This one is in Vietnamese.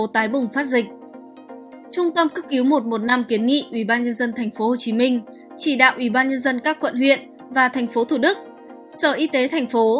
trung tâm cấp cứu một trăm một mươi năm kiến nghị ubnd tp hcm chỉ đạo ubnd các quận huyện và tp thủ đức sở y tế tp